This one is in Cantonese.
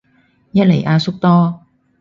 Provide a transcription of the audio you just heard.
一嚟阿叔多